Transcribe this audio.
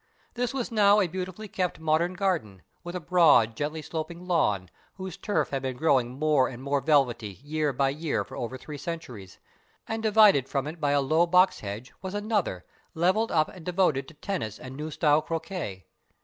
This was now a beautifully kept modern garden, with a broad, gently sloping lawn, whose turf had been growing more and more velvety year by year for over three centuries, and divided from it by a low box hedge was another, levelled up and devoted to tennis and new style croquet.